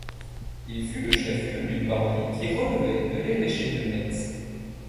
Il fut le chef-lieu d'une baronnie qui relevait de l'évêché de Metz.